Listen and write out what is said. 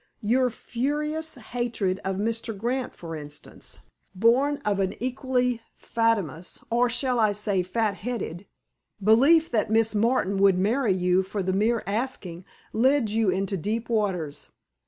Your furious hatred of Mr. Grant, for instance, born of an equally fatuous—or, shall I say? fat headed—belief that Miss Martin would marry you for the mere asking, led you into deep waters.